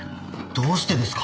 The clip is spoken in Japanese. どうしてですか？